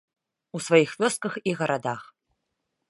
У сваіх вёсках і гарадах.